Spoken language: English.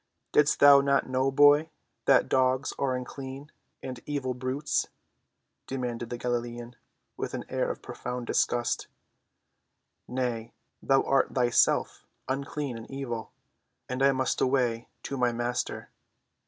"Didst thou not know, boy, that dogs are unclean and evil brutes?" demanded the Galilean with an air of profound disgust. "Nay, thou art thyself unclean and evil, and I must away to my Master."